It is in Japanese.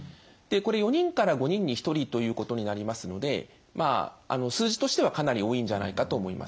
これ４人から５人に１人ということになりますので数字としてはかなり多いんじゃないかと思います。